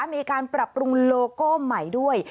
มีการปรับปรุงโลโก้ใหม่ด้วย